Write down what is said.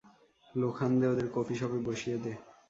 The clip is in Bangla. লোখান্দে, ওদের কফি শপে বসিয়ে দে।